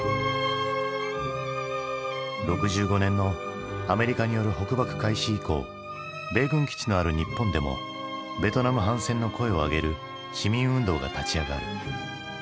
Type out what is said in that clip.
６５年のアメリカによる北爆開始以降米軍基地のある日本でもベトナム反戦の声を上げる市民運動が立ち上がる。